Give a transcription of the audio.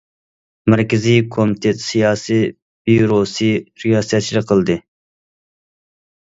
مەركىزىي كومىتېت سىياسىي بىيۇروسى رىياسەتچىلىك قىلدى.